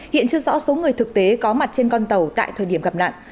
hiện chưa rõ số người thực tế có mặt trên con tàu tại thời điểm gặp nạn